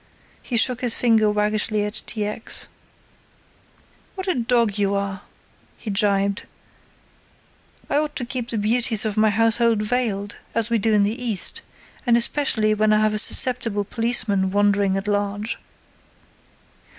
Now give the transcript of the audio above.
He shook his finger waggishly at T. X. "What a dog you are," he jibed, "I ought to keep the beauties of my household veiled, as we do in the East, and especially when I have a susceptible policeman wandering at large."